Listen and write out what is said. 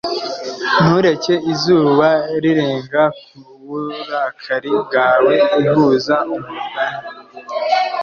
ntureke izuba rirenga kuburakari bwawe ihuza umugani